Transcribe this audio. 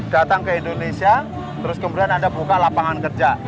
datang ke indonesia terus kemudian anda buka lapangan kerja